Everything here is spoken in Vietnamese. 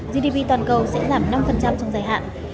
gdp toàn cầu sẽ giảm năm trong dài hạn